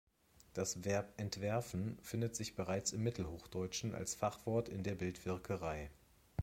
Das Verb "entwerfen" findet sich bereits im Mittelhochdeutschen als Fachwort in der Bildwirkerei.